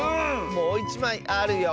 もういちまいあるよ！